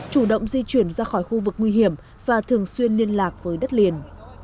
chủ động di chuyển ra khỏi khu vực nguy hiểm và thường xuyên liên lạc với đất liền